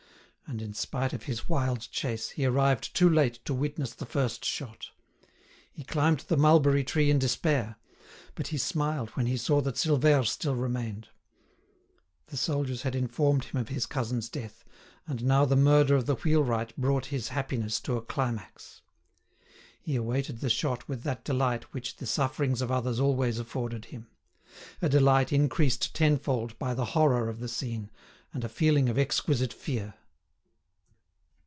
And in spite of his wild chase, he arrived too late to witness the first shot. He climbed the mulberry tree in despair; but he smiled when he saw that Silvère still remained. The soldiers had informed him of his cousin's death, and now the murder of the wheelwright brought his happiness to a climax. He awaited the shot with that delight which the sufferings of others always afforded him—a delight increased tenfold by the horror of the scene, and a feeling of exquisite fear.